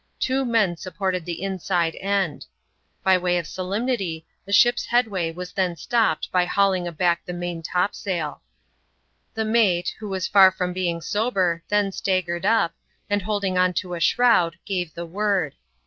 Two men supported the inside end. By w«ty of solemnity, the xn.} DEATH OF TWO OF THE CREW. 45 ^p's headwaj was then stopped by hauling aback the main top saiL The mate, who was far from being sober, then staggered up, and holding on to a shroud, gave the word.